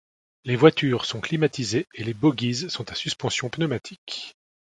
Les voitures sont climatisées et les bogies sont à suspension pneumatique.